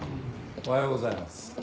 おはようございます。